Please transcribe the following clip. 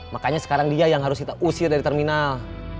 makanya sekarang dia yang harus kita usir dari terminal